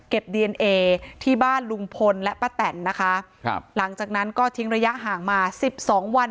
ดีเอนเอที่บ้านลุงพลและป้าแตนนะคะครับหลังจากนั้นก็ทิ้งระยะห่างมาสิบสองวัน